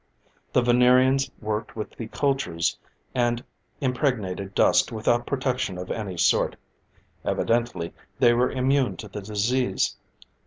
The Venerians worked with the cultures and impregnated dust without protection of any sort: evidently they were immune to the disease.